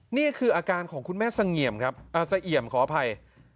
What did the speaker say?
นี่คืออาการของคุณแม่เสียมขออภัย